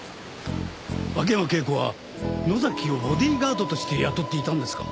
秋山圭子は野崎をボディーガードとして雇っていたんですか？